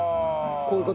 こういう事？